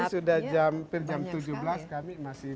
ini sudah hampir jam tujuh belas